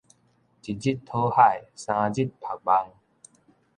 一日討海，三日曝網